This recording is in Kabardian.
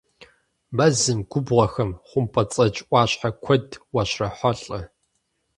Мэзым, губгъуэхэм хъумпӏэцӏэдж ӏуащхьэ куэд уащрохьэлӏэ.